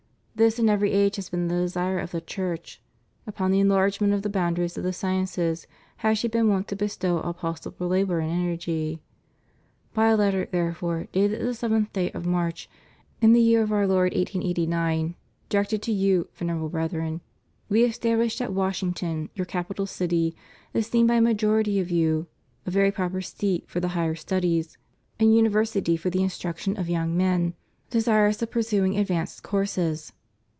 This in every age has been the desire of the Church; upon the enlargement of the boundaries of the sciences has she been wont to bestow all possible labor and energy. By a letter, therefore, dated the seventh day of March, in the year of Our Lord 1889, directed to you. Venerable Brethren, We established at Washington, your capital city, esteemed by a majority of you a very proper seat for the higher studies, a university for the CATHOLICITY IN THE UNITED STATES. 325 instruction of young men desirous of pursuing advanced courses.